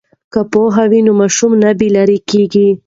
که پوهه وي نو ماشوم نه بې لارې کیږي.